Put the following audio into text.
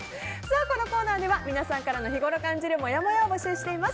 このコーナーでは皆さんの日ごろ感じるもやもやを募集しています。